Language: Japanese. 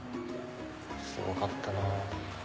すごかったなぁ。